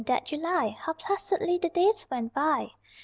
that July How placidly the days went by!